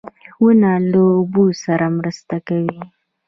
• ونه له اوبو سره مرسته کوي.